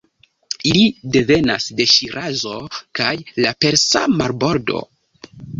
Ili devenas de Ŝirazo kaj la persa marbordo (nun Irano).